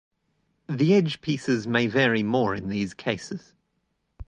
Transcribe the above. The edge pieces may vary more in these cases.